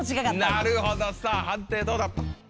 なるほどさぁ判定どうだ？